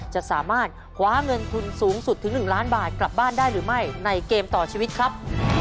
จะสามารถคว้าเงินทุนสูงสุดถึง๑ล้านบาทกลับบ้านได้หรือไม่ในเกมต่อชีวิตครับ